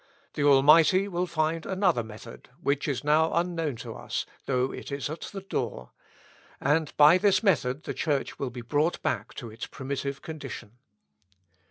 The Almighty will find another method, which is now unknown to us, though it is at the door; and, by this method the Church will be brought back to its primitive condition."